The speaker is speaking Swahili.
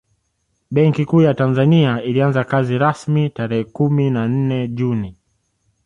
Benki Kuu ya Tanzania ilianza kazi rasmi tarehe kumi na nne Juni